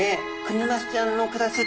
クニマスちゃんの暮らす